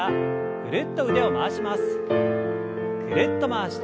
ぐるっと回して。